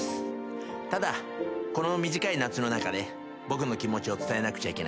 ただこの短い夏の中で僕の気持ちを伝えなくちゃいけない。